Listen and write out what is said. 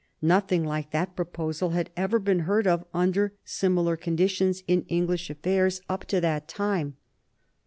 Nothing like that proposal had ever been heard of under similar conditions in English affairs up to that time.